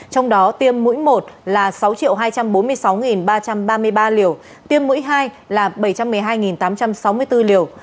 trong đó tiêm mũi một là sáu hai trăm bốn mươi sáu ba trăm ba mươi ba liều tiêm mũi hai là bảy trăm một mươi hai tám trăm sáu mươi bốn liều